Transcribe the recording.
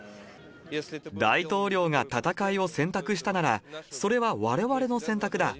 大統領が戦いを選択したなら、それはわれわれの選択だ。